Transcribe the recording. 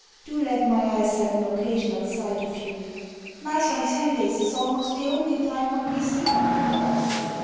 Do let my eyes have an occasional sight of you. Mass on Sundays is almost the only time when we see one another.